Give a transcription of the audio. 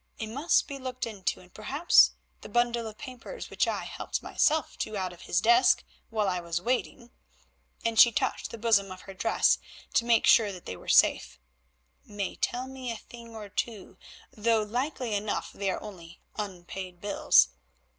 It must be looked into, and perhaps the bundle of papers which I helped myself to out of his desk while I was waiting"—and she touched the bosom of her dress to make sure that they were safe—"may tell me a thing or two, though likely enough they are only unpaid bills.